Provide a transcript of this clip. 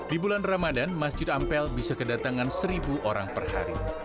di bulan ramadan masjid ampel bisa kedatangan seribu orang per hari